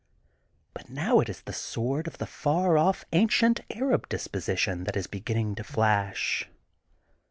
But now it is the sword of the far off ancient Arab disposition that is beginning to flash.